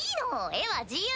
絵は自由！